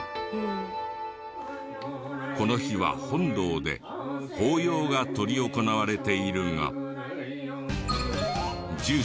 この日は本堂で法要が執り行われているが。